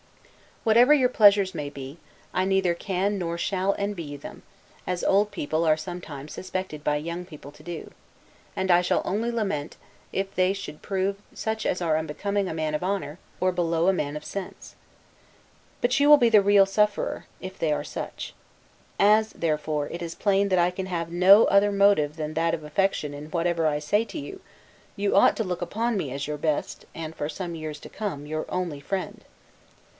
Whatever your pleasures may be, I neither can nor shall envy you them, as old people are sometimes suspected by young people to do; and I shall only lament, if they should prove such as are unbecoming a man of honor, or below a man of sense. But you will be the real sufferer, if they are such. As therefore, it is plain that I can have no other motive than that of affection in whatever I say to you, you ought to look upon me as your best, and, for some years to come, your only friend.